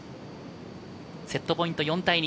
セットポイント４対２。